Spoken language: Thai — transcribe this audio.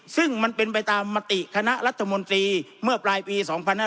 ซึ่งมันเป็นไปตามมติคณะรัฐมนตรีเมื่อปลายปี๒๕๕๙